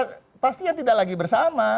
ya pastinya tidak lagi bersama